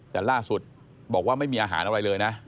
แต่ล่าสุดบอกว่าไม่มีอาหารอะไรเลยนะ